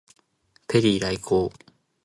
ペリー来航